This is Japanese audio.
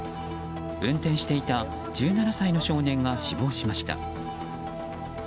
運転していた１７歳の少年が死亡しました。